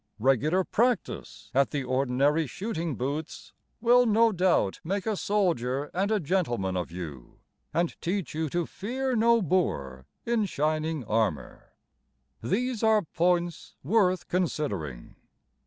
Regular practice At the ordinary shooting booths Will no doubt make a soldier and a gentleman of you, And teach you to fear no Boer in shining armour. These are points worth considering.